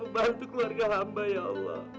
bantu keluarga hamba ya allah